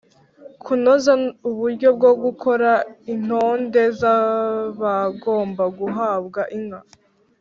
Kunoza uburyo bwo gukora intonde z ‘abagomba guhabwa inka